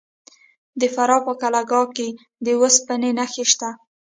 د فراه په قلعه کاه کې د وسپنې نښې شته.